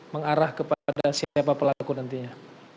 mengarah kepada siapa pelaku nantinya